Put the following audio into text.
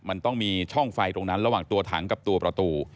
มันต้องมีช่องไฟตรงนั้นระหว่างตัวถังกับตัวประตู